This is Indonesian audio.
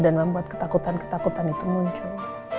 dan membuat ketakutan ketakutan itu muncul